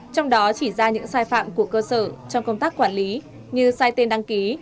trong đó chỉ ra những sai phạm của cơ sở trong công tác quản lý như sai tên đăng ký